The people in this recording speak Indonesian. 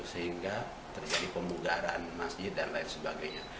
sehingga terjadi pemugaran masjid dan lain sebagainya